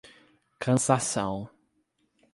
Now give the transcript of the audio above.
Cansanção